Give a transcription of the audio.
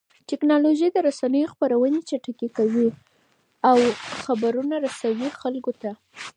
ټکنالوژي د رسنيو خپرونې چټکې کوي او خبرونه رسوي خلکو ته.